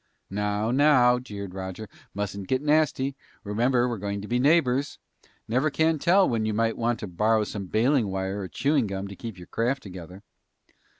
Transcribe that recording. "Now now " jeered Roger, "mustn't get nasty. Remember, we're going to be neighbors. Never can tell when you might want to borrow some baling wire or chewing gum to keep your craft together!"